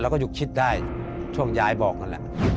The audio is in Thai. แล้วก็หยุดคิดได้ช่วงยายบอกนั่นแหละ